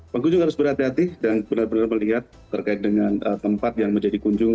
pengunjung harus berhati hati dan benar benar melihat terkait dengan tempat yang menjadi kunjung